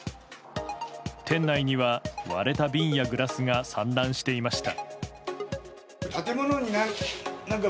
店内には割れた瓶やグラスが散乱していました。